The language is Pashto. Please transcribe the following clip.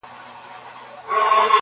سفر دی بدل سوی، منزلونه نا اشنا دي.!